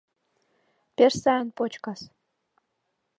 — Пеш сайын почкас.